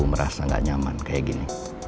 merasa nggak nyaman kayak gini